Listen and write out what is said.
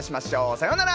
さようなら。